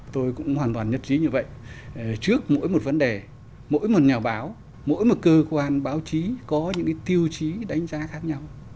tôi cũng hoàn toàn nhất trí như vậy trước mỗi một vấn đề mỗi một nhà báo mỗi một cơ quan báo chí có những cái tiêu chí đánh giá khác nhau